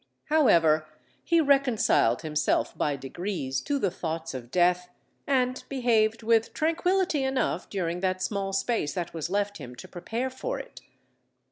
How ever, he reconciled himself by degrees to the thoughts of death, and behaved with tranquility enough during that small space that was left him to prepare for it.